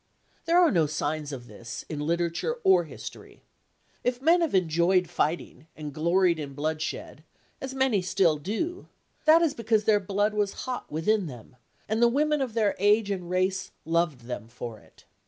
There are no signs of this in literature or history. If men have enjoyed fighting, and gloried in bloodshed, as many still do, that is because their blood was hot within them, and the women of their age and race loved them for it.